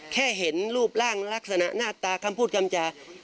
แค่เห็นรูปร่างลักษณะหน้าตาคำพูดคำจา